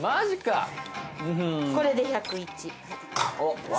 これで１０１。